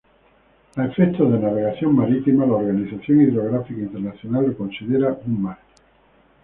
A efectos de navegación marítima, la Organización Hidrográfica Internacional lo considera un mar.